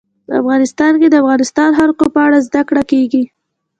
افغانستان کې د د افغانستان جلکو په اړه زده کړه کېږي.